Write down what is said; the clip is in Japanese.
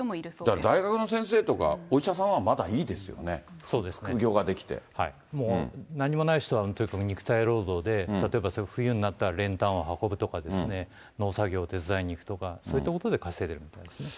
だから大学の先生とか、お医者さんはまだいいですよね、もう、なんにもない人は、とにかく肉体労働で、例えば冬になったら練炭を運ぶとかですね、農作業を手伝いに行くとか、そういったことで稼いでるみたいですね。